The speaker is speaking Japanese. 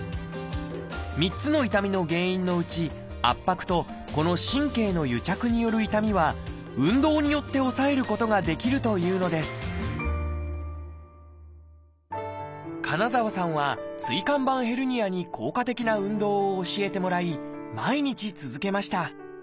３つの痛みの原因のうち圧迫とこの神経の癒着による痛みは運動によって抑えることができるというのです金澤さんは椎間板ヘルニアに効果的な運動を教えてもらい毎日続けました。